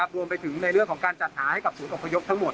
รวมไปถึงในเรื่องของการจัดหาให้กับศูนย์อพยพทั้งหมด